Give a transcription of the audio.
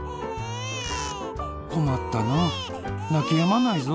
こまったななきやまないぞ。